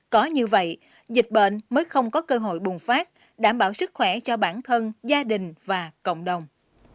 có như vậy dịch bệnh mới không có cơ hội bùng phát đảm bảo sức khỏe cho bản thân gia đình và cộng đồng